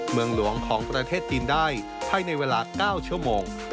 เมืองหลวงของประเทศจีนได้ภายในเวลา๙ชั่วโมง